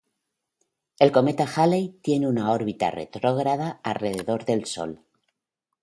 El cometa Halley tiene una órbita retrógrada alrededor del Sol.